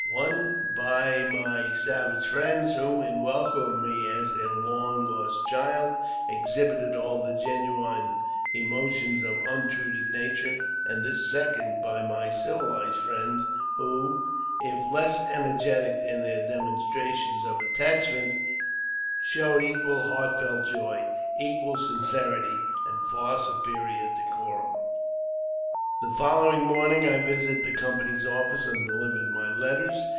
One by my savage friends, who, in wel coming me as their long lost child, exhibited all the genuine emotions of untutored nature ; and this second by my civilized friends, who, if less energetic in their demonstrations of attach ment, showed equal heartfelt joy, equal sincerity, and fa^ superior decorum. The following morning I visited the company's office and delivered my letters.